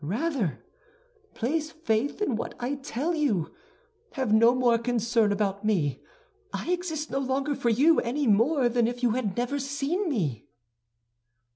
Rather, place faith in what I tell you. Have no more concern about me; I exist no longer for you, any more than if you had never seen me."